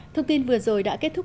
thông tin vừa rồi đã kết thúc